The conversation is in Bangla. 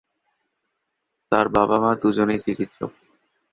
তাঁর বাবা-মা দু’জনেই চিকিৎসক।